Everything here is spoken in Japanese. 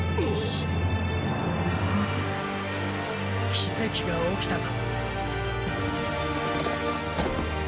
奇跡が起きたぞ。